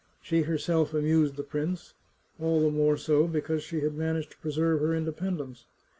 She herself amused the prince, all the more so because she had managed to preserve her independence.